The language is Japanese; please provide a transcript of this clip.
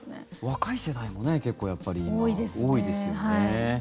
若い世代も結構多いですよね。